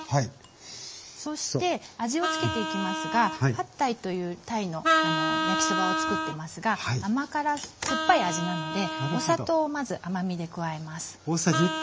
そして味を付けていきますがパッタイというタイの焼きそばを作ってますが甘辛酸っぱい味なのでお砂糖をまず甘みで加えます。